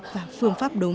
và phương pháp đúng